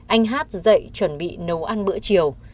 anh hát dậy chuẩn bị nấu ăn bữa chiều